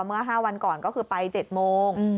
เมื่อ๕วันก่อนก็คือไป๗โมง